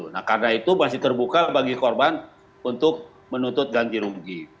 nah karena itu masih terbuka bagi korban untuk menuntut ganti rugi